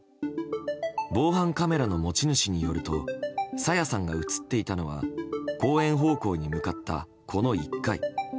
防犯カメラの持ち主によると朝芽さんが映っていたのは公園方向に向かった、この１回。